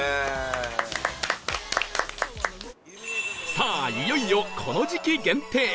さあいよいよこの時期限定